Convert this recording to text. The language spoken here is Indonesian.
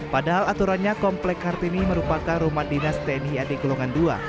padahal aturannya komplek kartini merupakan rumah dinas tni ad golongan dua